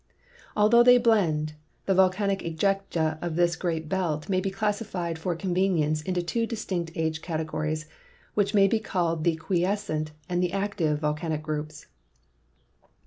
Although they blend, the volcanic ejecta of this great belt may be classified for convenience in two distinct age categories, which may he called the quiescent and the active volcanic groups.